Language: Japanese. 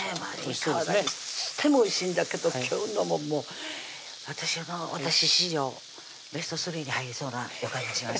いかは何してもおいしいんだけど今日のももう私史上ベストスリーに入りそうな予感がします